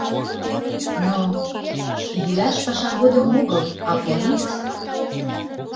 Но... йӱаш паша годым огыл, а Порис...